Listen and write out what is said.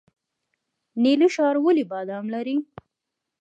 نیلي ښار ولې بادام لري؟